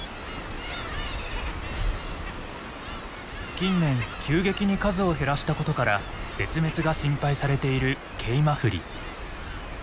近年急激に数を減らしたことから絶滅が心配されているケイマフリ。